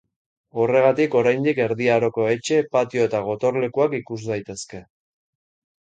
Horregatik oraindik erdi aroko etxe, patio eta gotorlekuak ikus daitezke.